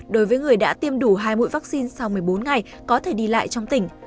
đối với người đã tiêm đủ hai mũi vaccine sau một mươi bốn ngày có thể đi lại trong tỉnh